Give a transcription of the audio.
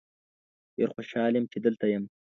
ډیر خوشحال یم چې دلته یم.